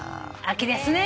秋ですね。